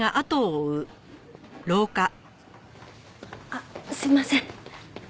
あっすいません。